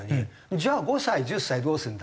じゃあ５歳１０歳どうするんだ？